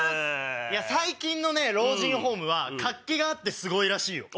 最近のね老人ホームは活気があってすごいらしいよ。